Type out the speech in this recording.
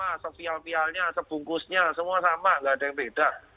vaksinnya sama sepial pialnya sebungkusnya semua sama nggak ada yang beda